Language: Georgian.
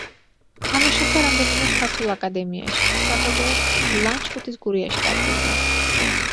თამაშობდა რამდენიმე ქართულ აკადემიაში, საბოლოოდ ლანჩხუთის „გურიაში“ დაბრუნდა.